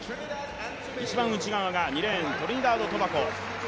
一番内側が２レーン、トリニダード・トバゴ。